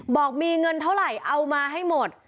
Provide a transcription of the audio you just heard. บอกมีเงินเท่าไหร่เอามาให้หมด